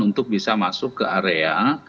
untuk bisa masuk ke area